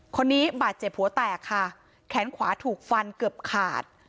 คนนี้บาดเจ็บหัวแตกค่ะแขนขวาถูกฟันเกือบขาด